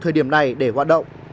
thời điểm này để hoạt động